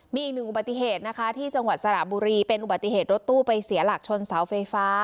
มีอีกหนึ่งอุบัติเหตุนะคะที่จังหวัดสระบุรีเป็นอุบัติเหตุรถตู้ไปเสียหลักชนเสาไฟฟ้า